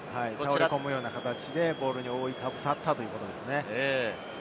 倒れ込むような形でボールに覆いかぶさったということですね。